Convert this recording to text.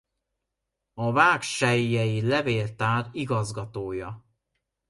A vágsellyei levéltár igazgatója.